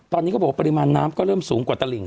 ตอนนี้ก็โบบริมาณน้ำก็เริ่มสูงกว่าตะหลิง